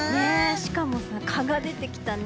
しかも、蚊が出てきたね。